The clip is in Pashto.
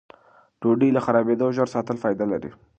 ډوډۍ له خرابېدو ژر ساتل فایده لري.